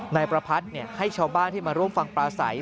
นายประพัทธ์ให้ชาวบ้านที่มาร่วมฟังปลาใส